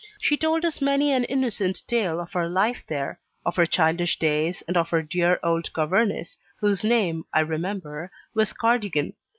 She told us many an innocent tale of her life there of her childish days, and of her dear old governess, whose name, I remember, was Cardigan.